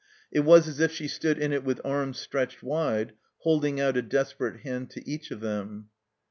It was as if she stood in it with arms stretched wide, holding out a desperate hand to each of them.